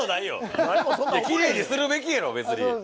キレイにするべきやろ別に。